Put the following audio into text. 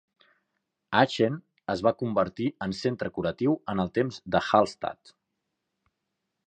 Aachen es va convertir en centre curatiu en els temps de Hallstatt.